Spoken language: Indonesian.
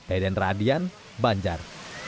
eden radian banjar